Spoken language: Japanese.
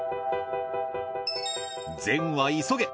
善は急げ！